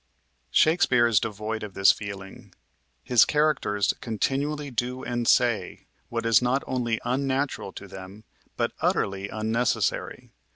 Shakespeare is devoid of this feeling. His characters continually do and say what is not only unnatural to them, but utterly unnecessary.